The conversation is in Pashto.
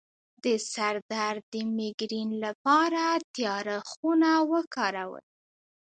د سر درد د میګرین لپاره تیاره خونه وکاروئ